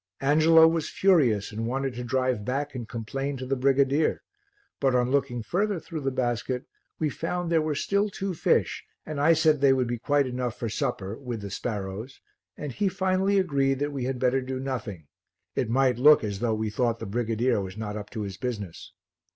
Angelo was furious and wanted to drive back and complain to the brigadier, but, on looking further through the basket, we found there were still two fish and I said they would be quite enough for supper with the sparrows and he finally agreed that we had better do nothing, it might look as though we thought the brigadier was not up to his business.